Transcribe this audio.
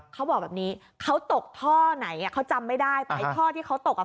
เขาบอกแบบนี้เขาตกท่อไหนอ่ะเขาจำไม่ได้แต่ไอ้ท่อที่เขาตกอ่ะ